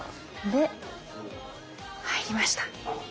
で入りました！